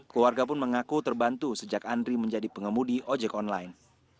keluarga pun mengaku terbantu sejak andri menjadi pengemudi ojek online